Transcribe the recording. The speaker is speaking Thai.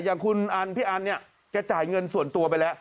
อย่างคุณอันพี่อันเนี่ยแกจ่ายเงินส่วนตัวไปแล้ว